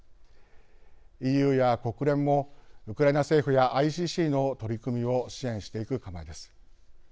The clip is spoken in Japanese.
ＥＵや国連もウクライナ政府やＩＣＣの取り組みを支援していく構えです。